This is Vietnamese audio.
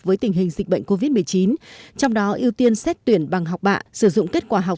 bởi vì tụi em sẽ có nhiều cách hơn để tham gia ứng xét tuyển và kết trường đại học